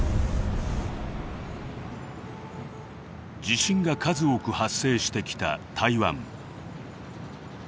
地震が数多く発生してきた台湾。